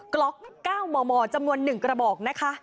กล็อก๙มมจำนวน๑กระบอกนะคะ